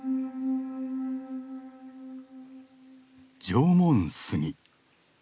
縄文杉。